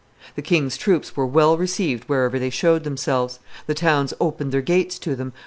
The king's troops were well received wherever they showed themselves; the towns opened their gates to them.